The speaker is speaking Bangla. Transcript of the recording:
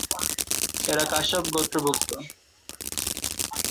এরা কাশ্যপ গোত্র ভুক্ত।